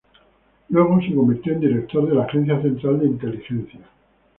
Luego, se convirtió en director de la Agencia Central de Inteligencia.